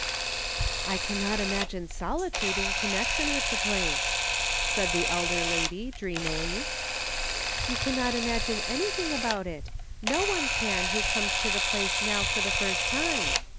" I cannot imagine solitude in connection with the place," said the elder lady, dreamily. " You can not imagine anything about it ; no one can who comes to the place now for the first time.